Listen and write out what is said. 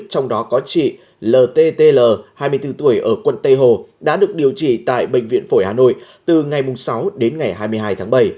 trong đó có chị ltl hai mươi bốn tuổi ở quận tây hồ đã được điều trị tại bệnh viện phổi hà nội từ ngày sáu đến ngày hai mươi hai tháng bảy